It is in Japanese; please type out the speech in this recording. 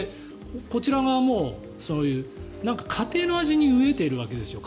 こちら側もそういう家庭の味に飢えているわけですよ。